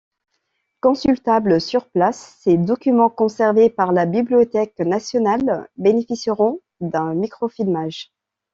Consultables sur place, ces documents conservés par la Bibliothèque nationale bénéficieront d’un microfilmage.